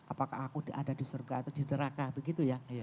apakah aku ada di surga atau di neraka begitu ya